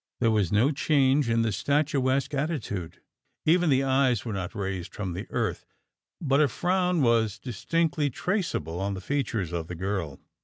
There was no change in the statuesque attitude: even the eyes were not raised from the earth; but a frown was distinctly traceable on the features of the girl.